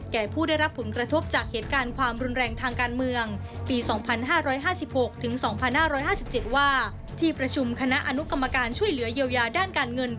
แก่ผู้ได้รับผลกระทบจากเหตุการณ์ความรุนแรงทางการเมือง